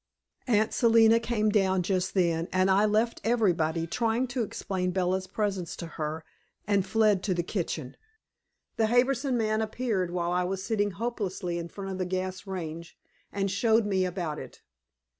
Aunt Selina came down just then and I left everybody trying to explain Bella's presence to her, and fled to the kitchen. The Harbison man appeared while I was sitting hopelessly in front of the gas range, and showed me about it.